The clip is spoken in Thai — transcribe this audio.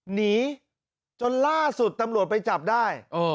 หนีจนล่าสุดตำรวจไปจับได้